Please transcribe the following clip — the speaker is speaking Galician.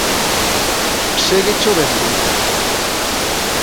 Segue chovendo Mabel?